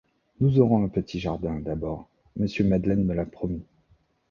Nous aurons un petit jardin, d’abord ! monsieur Madeleine me l’a promis.